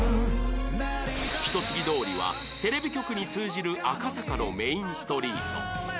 一ツ木通りはテレビ局に通じる赤坂のメインストリート